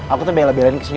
aku tuh biasa belain kesini